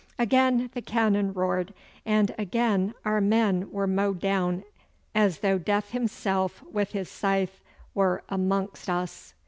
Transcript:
Again the cannon roared, and again our men were mowed down as though Death himself with his scythe were amongst us.